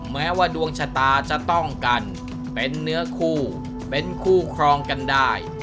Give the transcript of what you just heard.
แม้ว่าดวงชะตาจะต้องกันเป็นเนื้อคู่เป็นคู่ครองกันได้